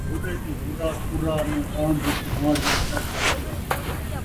برے توں برا کُرا، ناں ݙاند دی کوہانڈ نہ ڄٹ دا طرہ